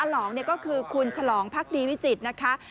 ลองก็คือคุณฉลองพักดีวิจิตรนะคะ